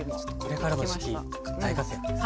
これからの時期大活躍ですね。